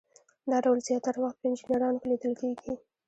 دا ډول زیاتره وخت په انجینرانو کې لیدل کیږي.